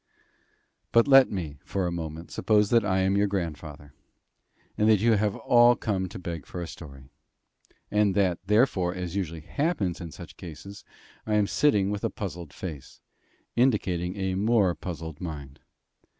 But let me, for a moment, suppose that I am your grandfather, and that you have all come to beg for a story; and that, therefore, as usually happens in such cases, I am sitting with a puzzled face, indicating a more puzzled mind.